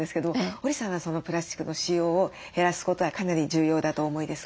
織さんはプラスチックの使用を減らすことはかなり重要だとお思いですか？